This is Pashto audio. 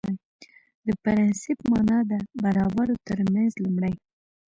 د پرنسېپ معنا ده برابرو ترمنځ لومړی